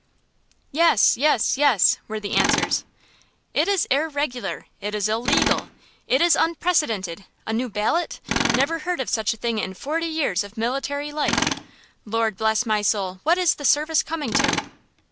"Yes! Yes! Yes!" were the answers. "It is irregular! It is illegal! It is unprecedented! A new ballot? Never heard of such a thing in forty years of military life! Lord bless my soul, what is the service coming to?"